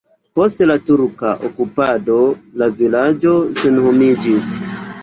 Post la turka okupado la vilaĝo senhomiĝis.